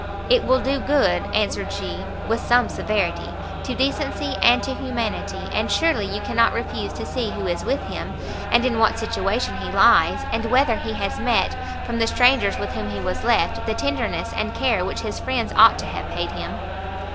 "It will do good," answered she, with some severity, "to decency and to humanity; and surely you cannot refuse to see who is with him, and in what situation he lies, and whether he has met, from the strangers with whom he was left, the tenderness and care which his friends ought to have paid him."